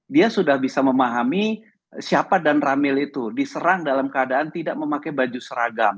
dia sudah bisa memahami siapa dan ramil itu diserang dalam keadaan tidak memakai baju seragam